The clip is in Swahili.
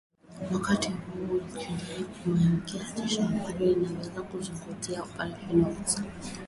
Wakati hakuna ushahidi wa kuaminika wa tishio ambalo linaweza kuvuruga operesheni za usafirishaji katika njia ya kaskazini , wafanyabiashara wameshauriwa.